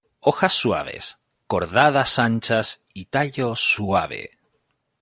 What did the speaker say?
Hojas suaves, cordadas anchas, y tallo suave.